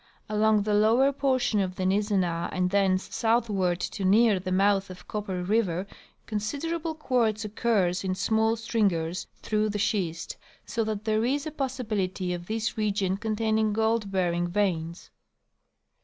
Along the lower portion of the Niz zenah and thence southward to near the mouth of Copper river considerable quartz occurs in small stringers through the schist, so that there is a possibility of this region containing gold bearing veins.